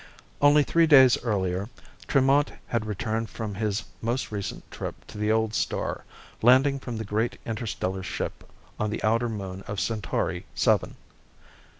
Only three days earlier, Tremont had returned from his most recent trip to the old star, landing from the great interstellar ship on the outer moon of Centauri VII.